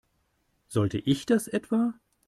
Sollte ich das etwa?